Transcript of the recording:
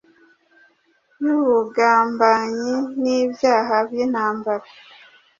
y’ubugambanyi n’ibyaha by’intambara,